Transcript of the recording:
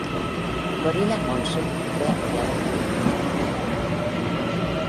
Gorilla Monsoon fue apoyado por el público de Nueva York.